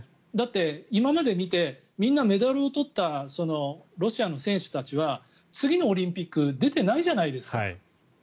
だって、今まで見てみんなメダルを取ったロシアの選手たちは次のオリンピック出てないじゃないですか。